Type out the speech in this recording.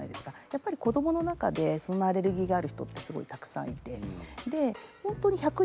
やっぱり子供の中でそのアレルギーがある人ってすごいたくさんいて。